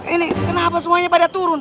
ini kenapa semuanya pada turun